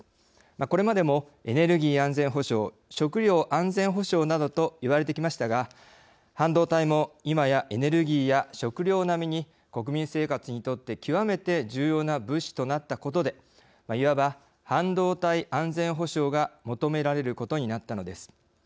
これまでもエネルギー安全保障食料安全保障などといわれてきましたが半導体もいまやエネルギーや食料並みに国民生活にとって極めて重要な物資となったことでいわば半導体安全保障が求められることになったのです。